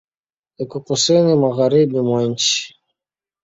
Iko Kusini magharibi mwa nchi.